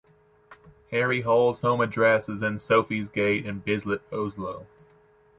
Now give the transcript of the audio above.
Harry Hole's home address is in Sofies Gate in Bislett, Oslo.